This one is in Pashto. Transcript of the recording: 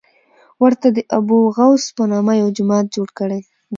ورته د ابوغوث په نامه یو جومات جوړ کړی.